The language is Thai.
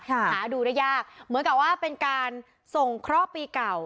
หาดูได้ยากเหมือนกับว่าเป็นการส่งเคราะห์ปีเก่า